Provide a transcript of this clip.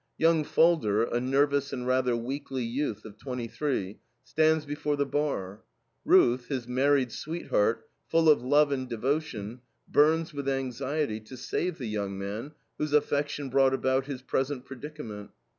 Young Falder, a nervous and rather weakly youth of twenty three, stands before the bar. Ruth, his married sweetheart, full of love and devotion, burns with anxiety to save the young man whose affection brought about his present predicament.